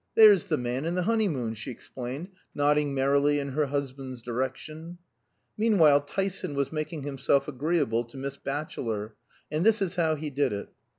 There's the man in the honeymoon," she explained, nodding merrily in her husband's direction. Meanwhile Tyson was making himself agreeable to Miss Batchelor. And this is how he did it.